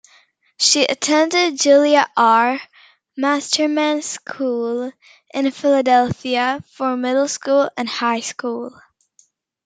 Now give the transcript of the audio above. She attended Julia R. Masterman School in Philadelphia, for middle school and high school.